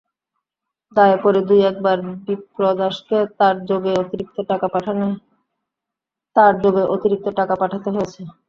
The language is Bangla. দায়ে পড়ে দুই-একবার বিপ্রদাসকে তার-যোগে অতিরিক্ত টাকা পাঠাতে হয়েছে।